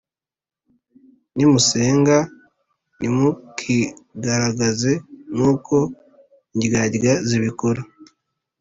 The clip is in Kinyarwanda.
Nimusenga ntimukigaragaze nkuko indyarya zibikora